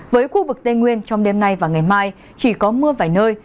với khu vực tây nguyên trong đêm nay và ngày mai chỉ có mưa vài nơi